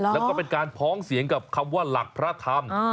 แล้วก็เป็นการพ้องเสียงกับคำว่าหลักพระธรรม